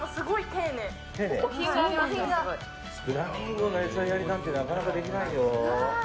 フラミンゴの餌やりなんてなかなかできないよ。